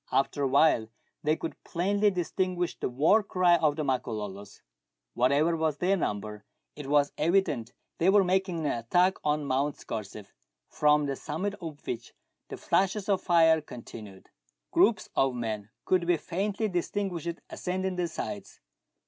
After a while they could plainly distinguish the war cry of the Makololos. Whatever was their number, it was evident they were making an attack on Mount Scorze,, from the summit of which the flashes of fire continued Groups of men could be faintly distinguished ascending the sides.